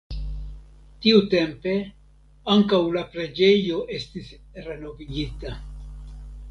Tiutempe ankaŭ la preĝejo estis renovigita.